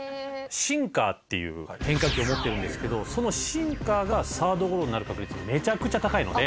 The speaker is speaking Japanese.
シンカーっていう変化球を持ってるんですけどそのシンカーがサードゴロになる確率がめちゃくちゃ高いので。